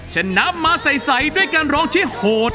ชนะมาใสด้วยการร้องที่โหด